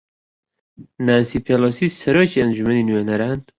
نانسی پیلۆسی سەرۆکی ئەنجومەنی نوێنەران